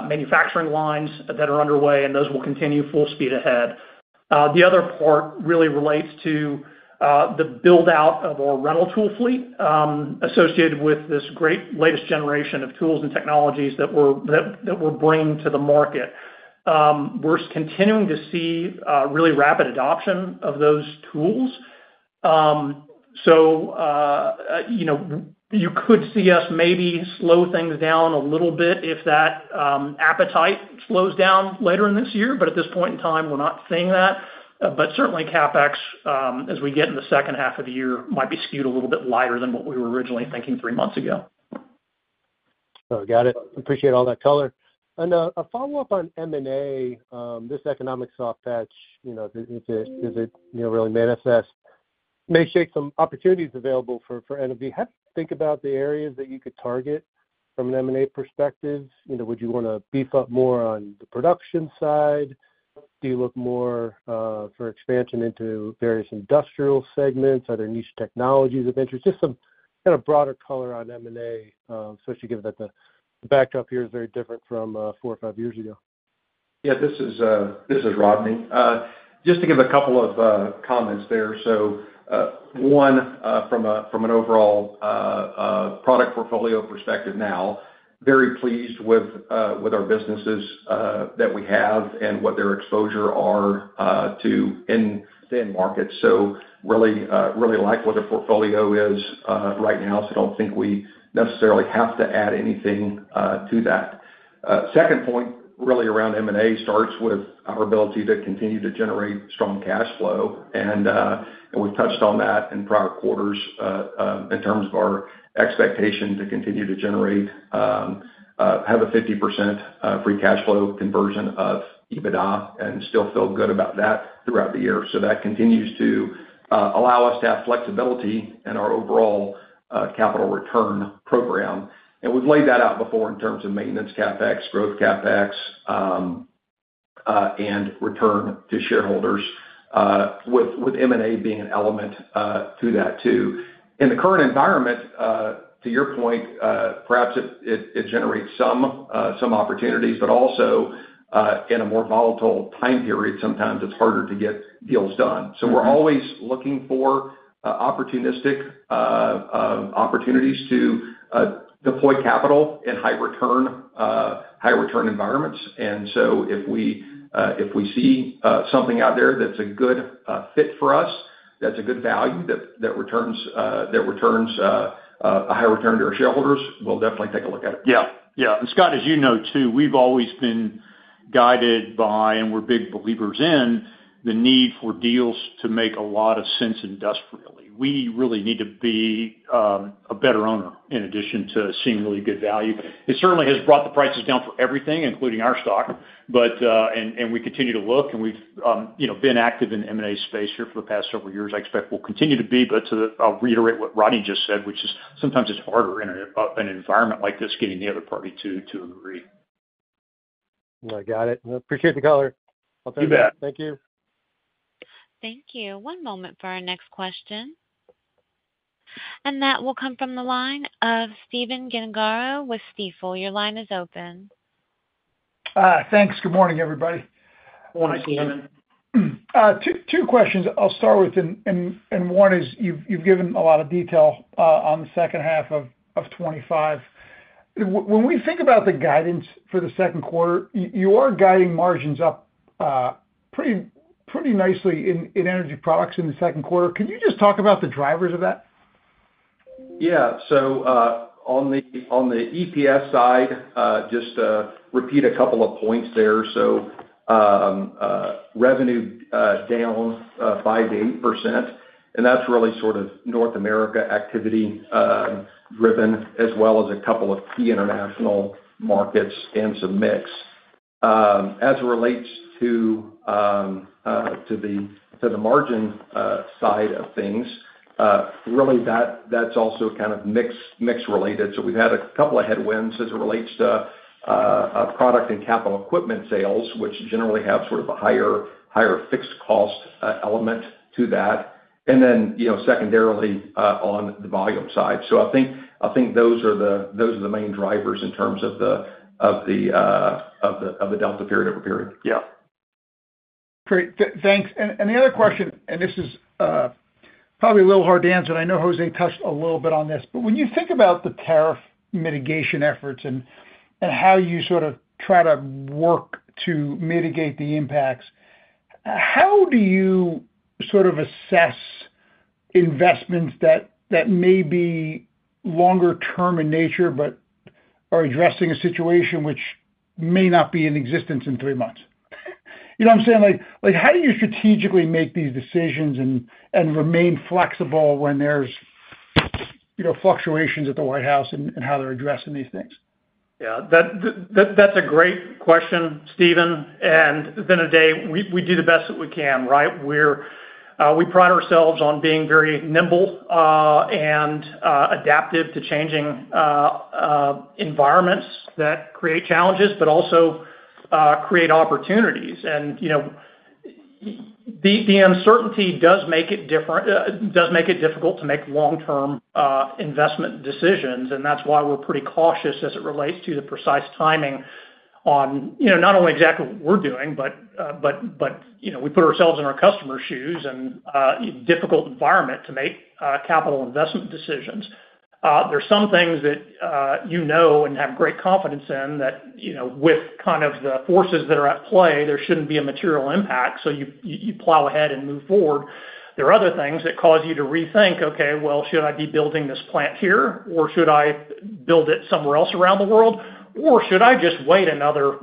manufacturing lines that are underway, and those will continue full speed ahead. The other part really relates to the build-out of our rental tool fleet associated with this great latest generation of tools and technologies that we're bringing to the market. We're continuing to see really rapid adoption of those tools. You could see us maybe slow things down a little bit if that appetite slows down later in this year. At this point in time, we're not seeing that. Certainly, CapEx, as we get in the second half of the year, might be skewed a little bit lighter than what we were originally thinking three months ago. Got it. Appreciate all that color. A follow-up on M&A, this economic soft patch, does it really manifest? May shake some opportunities available for NOV. How do you think about the areas that you could target from an M&A perspective? Would you want to beef up more on the production side? Do you look more for expansion into various industrial segments? Are there niche technologies of interest? Just some kind of broader color on M&A, especially given that the backdrop here is very different from four or five years ago. Yeah. This is Rodney. Just to give a couple of comments there. One, from an overall product portfolio perspective now, very pleased with our businesses that we have and what their exposure are to in markets. Really like what the portfolio is right now. I do not think we necessarily have to add anything to that. Second point, really around M&A starts with our ability to continue to generate strong cash flow. We've touched on that in prior quarters in terms of our expectation to continue to generate, have a 50% free cash flow conversion of EBITDA and still feel good about that throughout the year. That continues to allow us to have flexibility in our overall capital return program. We've laid that out before in terms of maintenance CapEx, growth CapEx, and return to shareholders, with M&A being an element to that too. In the current environment, to your point, perhaps it generates some opportunities, but also in a more volatile time period, sometimes it's harder to get deals done. We're always looking for opportunistic opportunities to deploy capital in high-return environments. If we see something out there that's a good fit for us, that's a good value, that returns a high return to our shareholders, we'll definitely take a look at it. Yeah. Yeah. And Scott, as you know too, we've always been guided by, and we're big believers in, the need for deals to make a lot of sense industrially. We really need to be a better owner in addition to seeing really good value. It certainly has brought the prices down for everything, including our stock. We continue to look, and we've been active in the M&A space here for the past several years. I expect we'll continue to be, but to reiterate what Rodney just said, which is sometimes it's harder in an environment like this getting the other party to agree. I got it. Appreciate the color. You bet. Thank you. Thank you. One moment for our next question. That will come from the line of Stephen Gengaro with Stifel. Your line is open. Thanks. Good morning, everybody. Good morning, Stephen. Two questions I'll start with. One is you've given a lot of detail on the second half of 2025. When we think about the guidance for the second quarter, you are guiding margins up pretty nicely in energy products in the second quarter. Can you just talk about the drivers of that? Yeah. On the EPS side, just to repeat a couple of points there. Revenue down 5-8%. That's really sort of North America activity driven, as well as a couple of key international markets and some mix. As it relates to the margin side of things, that's also kind of mix related. We have had a couple of headwinds as it relates to product and capital equipment sales, which generally have sort of a higher fixed cost element to that. Then secondarily on the volume side. I think those are the main drivers in terms of the delta period over period. Yeah. Great. Thanks. The other question, and this is probably a little hard to answer. I know Jose touched a little bit on this. When you think about the tariff mitigation efforts and how you sort of try to work to mitigate the impacts, how do you sort of assess investments that may be longer-term in nature but are addressing a situation which may not be in existence in three months? You know what I'm saying? How do you strategically make these decisions and remain flexible when there's fluctuations at the White House and how they're addressing these things? Yeah. That's a great question, Stephen. At the end of the day, we do the best that we can, right? We pride ourselves on being very nimble and adaptive to changing environments that create challenges, but also create opportunities. The uncertainty does make it difficult to make long-term investment decisions. That's why we're pretty cautious as it relates to the precise timing on not only exactly what we're doing, but we put ourselves in our customer's shoes in a difficult environment to make capital investment decisions. There are some things that you know and have great confidence in that with kind of the forces that are at play, there shouldn't be a material impact. You plow ahead and move forward. There are other things that cause you to rethink, "Okay, should I be building this plant here, or should I build it somewhere else around the world, or should I just wait another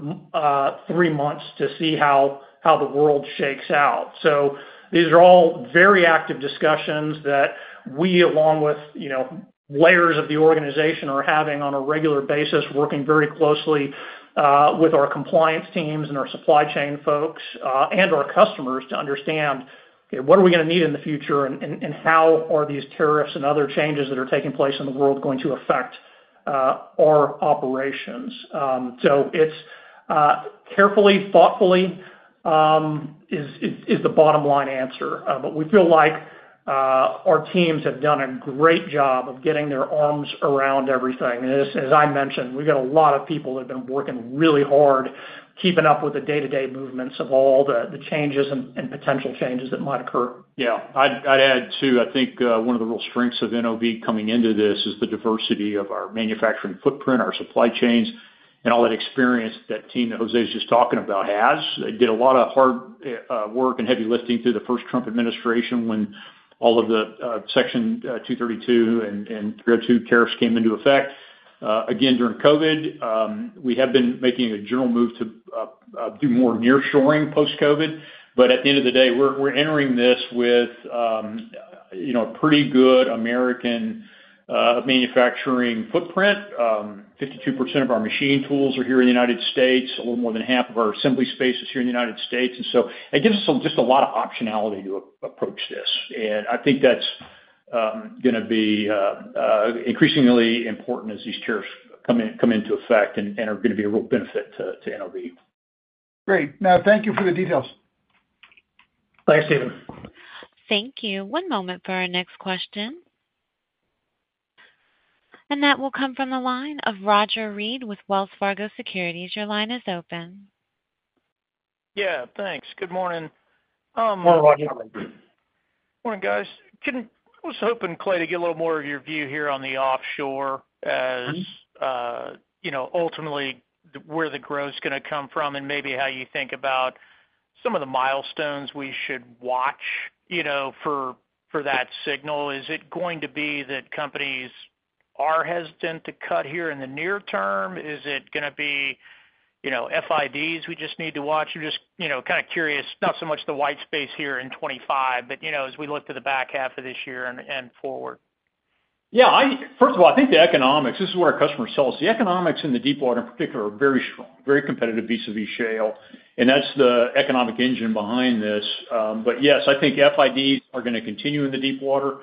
three months to see how the world shakes out?" These are all very active discussions that we, along with layers of the organization, are having on a regular basis, working very closely with our compliance teams and our supply chain folks and our customers to understand, "Okay, what are we going to need in the future, and how are these tariffs and other changes that are taking place in the world going to affect our operations?" Carefully, thoughtfully is the bottom line answer. We feel like our teams have done a great job of getting their arms around everything. As I mentioned, we've got a lot of people that have been working really hard keeping up with the day-to-day movements of all the changes and potential changes that might occur. Yeah. I'd add too, I think one of the real strengths of NOV coming into this is the diversity of our manufacturing footprint, our supply chains, and all that experience that Jose was just talking about has. They did a lot of hard work and heavy lifting through the first Trump administration when all of the Section 232 and 301 tariffs came into effect. Again, during COVID, we have been making a general move to do more nearshoring post-COVID. At the end of the day, we're entering this with a pretty good American manufacturing footprint. 52% of our machine tools are here in the United States. A little more than half of our assembly space is here in the United States. It gives us just a lot of optionality to approach this. I think that's going to be increasingly important as these tariffs come into effect and are going to be a real benefit to NOV. Great. Thank you for the details. Thanks, Stephen. Thank you. One moment for our next question. That will come from the line of Roger Reed with Wells Fargo Securities. Your line is open. Yeah. Thanks. Good morning. Morning, Roger. Morning, guys. I was hoping, Clay, to get a little more of your view here on the offshore as ultimately where the growth is going to come from and maybe how you think about some of the milestones we should watch for that signal. Is it going to be that companies are hesitant to cut here in the near term? Is it going to be FIDs we just need to watch? I'm just kind of curious, not so much the white space here in 2025, but as we look to the back half of this year and forward. Yeah. First of all, I think the economics—this is what our customers tell us—the economics in the deep water in particular are very strong, very competitive vis-à-vis shale. That's the economic engine behind this. Yes, I think FIDs are going to continue in the deep water.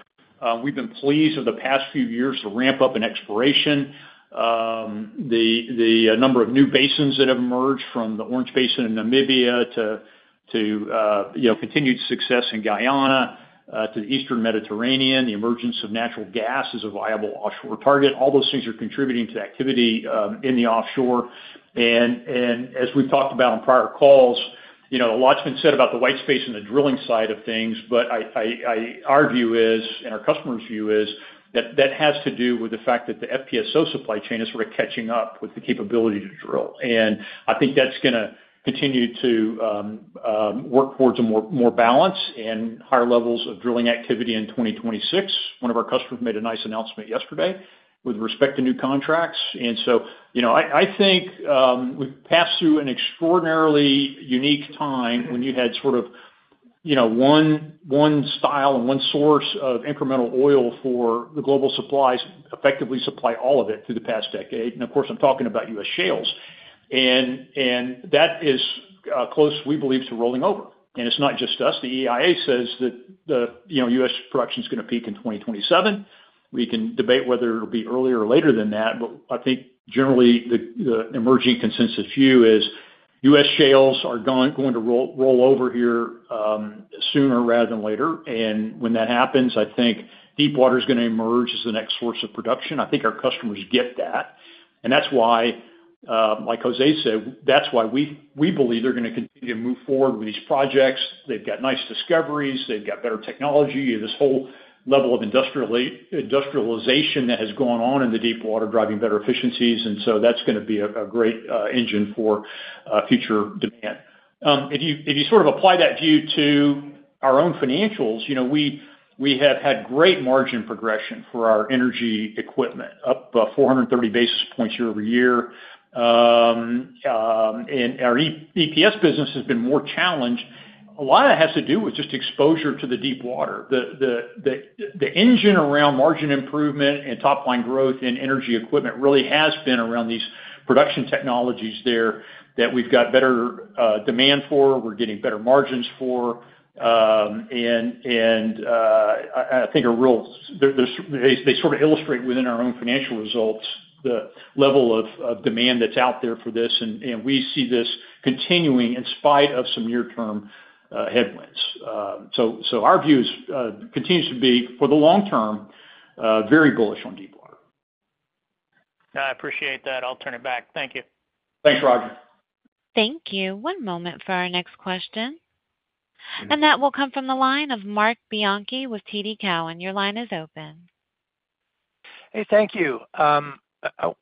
We've been pleased over the past few years to ramp up in exploration. The number of new basins that have emerged from the Orange Basin in Namibia to continued success in Guyana to the Eastern Mediterranean, the emergence of natural gas as a viable offshore target. All those things are contributing to activity in the offshore. As we've talked about on prior calls, a lot's been said about the white space and the drilling side of things. Our view is, and our customer's view is, that that has to do with the fact that the FPSO supply chain is sort of catching up with the capability to drill. I think that's going to continue to work towards a more balanced and higher levels of drilling activity in 2026. One of our customers made a nice announcement yesterday with respect to new contracts. I think we've passed through an extraordinarily unique time when you had sort of one style and one source of incremental oil for the global supplies effectively supply all of it through the past decade. Of course, I'm talking about U.S. shales. That is close, we believe, to rolling over. It is not just us. The EIA says that U.S. production is going to peak in 2027. We can debate whether it will be earlier or later than that. I think generally the emerging consensus view is U.S. shales are going to roll over here sooner rather than later. When that happens, I think deep water is going to emerge as the next source of production. I think our customers get that. That is why, like José said, that is why we believe they are going to continue to move forward with these projects. They have got nice discoveries. They have got better technology. This whole level of industrialization that has gone on in the deep water is driving better efficiencies. That is going to be a great engine for future demand. If you sort of apply that view to our own financials, we have had great margin progression for our energy equipment, up 430 basis points year over year. And our EPS business has been more challenged. A lot of that has to do with just exposure to the deep water. The engine around margin improvement and top-line growth in energy equipment really has been around these production technologies there that we've got better demand for. We're getting better margins for. I think a real—they sort of illustrate within our own financial results the level of demand that's out there for this. We see this continuing in spite of some near-term headwinds. Our view continues to be, for the long term, very bullish on deep water. I appreciate that. I'll turn it back. Thank you. Thanks, Roger. Thank you. One moment for our next question. That will come from the line of Marc Bianchi with TD Cowen. Your line is open. Hey, thank you.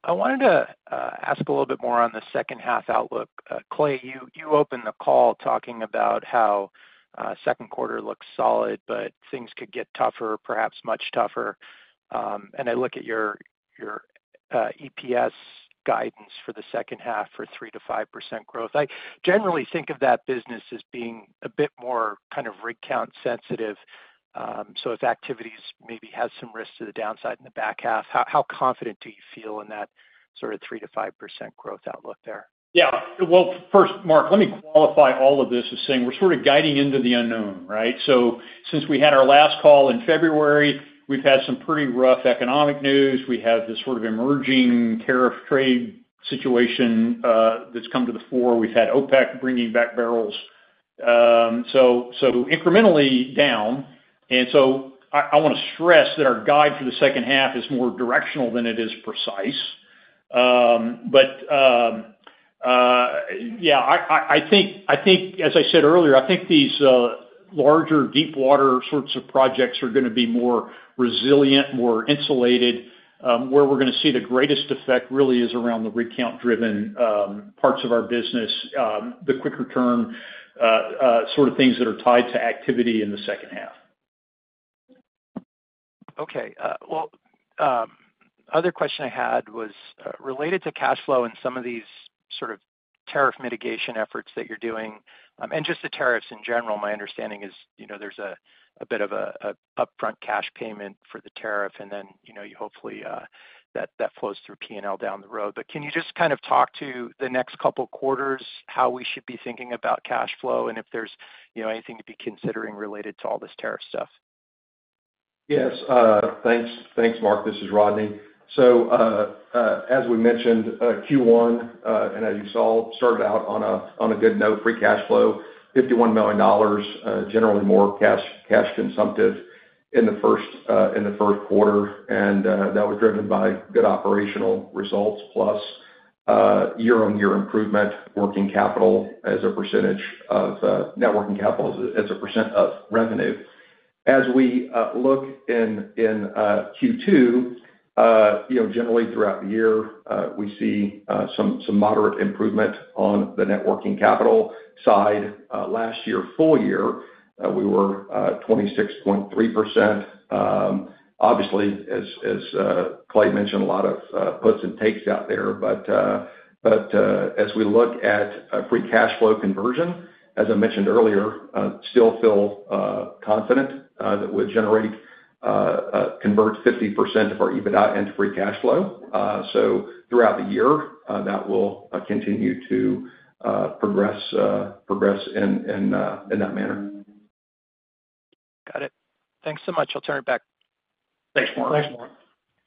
I wanted to ask a little bit more on the second-half outlook. Clay, you opened the call talking about how second quarter looks solid, but things could get tougher, perhaps much tougher. I look at your EPS guidance for the second half for 3-5% growth. I generally think of that business as being a bit more kind of rig count sensitive. If activities maybe have some risks to the downside in the back half, how confident do you feel in that sort of 3-5% growth outlook there? Yeah. First, Marc, let me qualify all of this as saying we're sort of guiding into the unknown, right? Since we had our last call in February, we've had some pretty rough economic news. We have this sort of emerging tariff trade situation that's come to the fore. We've had OPEC bringing back barrels. Incrementally down. I want to stress that our guide for the second half is more directional than it is precise. Yeah, I think, as I said earlier, I think these larger deep water sorts of projects are going to be more resilient, more insulated. Where we're going to see the greatest effect really is around the rig count-driven parts of our business, the quicker-turn sort of things that are tied to activity in the second half. The other question I had was related to cash flow and some of these sort of tariff mitigation efforts that you're doing. Just the tariffs in general, my understanding is there's a bit of an upfront cash payment for the tariff, and then you hopefully that flows through P&L down the road. Can you just kind of talk to the next couple of quarters how we should be thinking about cash flow and if there's anything to be considering related to all this tariff stuff? Yes. Thanks, Marc. This is Rodney. As we mentioned, Q1, and as you saw, started out on a good note, free cash flow, $51 million, generally more cash consumptive in the first quarter. That was driven by good operational results, plus year-on-year improvement, working capital as a percentage of net working capital as a percent of revenue. As we look in Q2, generally throughout the year, we see some moderate improvement on the net working capital side. Last year, full year, we were 26.3%. Obviously, as Clay mentioned, a lot of puts and takes out there. As we look at free cash flow conversion, as I mentioned earlier, still feel confident that we'll generate, convert 50% of our EBITDA into free cash flow. Throughout the year, that will continue to progress in that manner. Got it. Thanks so much. I'll turn it back. Thanks, Marc.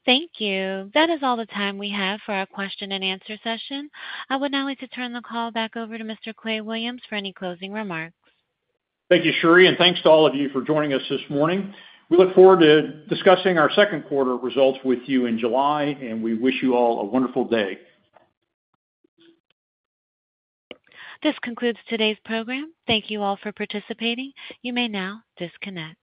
Thank you. That is all the time we have for our question-and-answer session. I would now like to turn the call back over to Mr. Clay Williams for any closing remarks. Thank you, Sheree. And thanks to all of you for joining us this morning. We look forward to discussing our second quarter results with you in July, and we wish you all a wonderful day. This concludes today's program. Thank you all for participating. You may now disconnect.